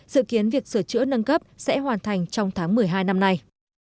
sự kiến việc sửa chữa nâng cấp sẽ hoàn thành trong tháng một mươi hai năm nay